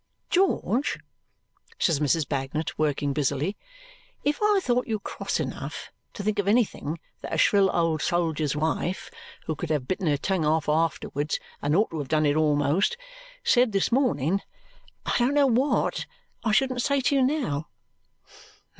"George," says Mrs. Bagnet, working busily, "if I thought you cross enough to think of anything that a shrill old soldier's wife who could have bitten her tongue off afterwards and ought to have done it almost said this morning, I don't know what I shouldn't say to you now."